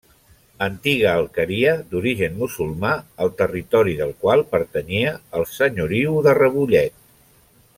Antiga alqueria d'origen musulmà, el territori del qual pertanyia al Senyoriu de Rebollet.